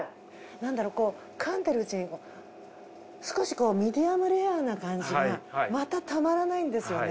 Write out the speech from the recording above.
なんだろうこうかんでいるうちに少しこうミディアムレアな感じがまたたまらないんですよね。